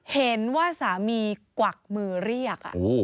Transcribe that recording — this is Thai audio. เห็นว่าสามีกวักมือเรียก